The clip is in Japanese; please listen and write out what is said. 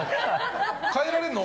変えられるの？